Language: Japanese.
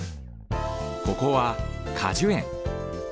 ここは果樹園。